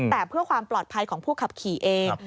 แต่เพื่อความปลอดภัยของผู้ขับขี่เอง